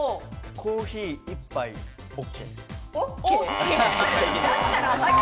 コーヒー１杯ＯＫ。